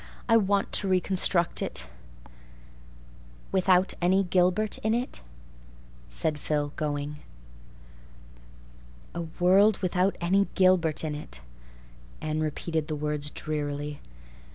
I want to reconstruct it." "Without any Gilbert in it?" said Phil, going. A world without any Gilbert in it! Anne repeated the words drearily.